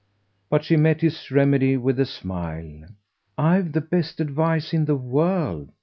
But she met his remedy with a smile. "I've the best advice in the world.